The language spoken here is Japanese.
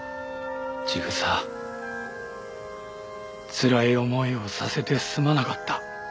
千草つらい思いをさせてすまなかった。